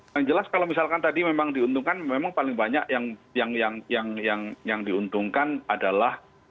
yang jelas kalau misalkan tadi memang diuntungkan memang paling banyak yang diuntungkan adalah